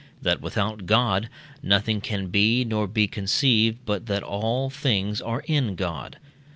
that without God nothing can be nor be conceived but that all things are in God.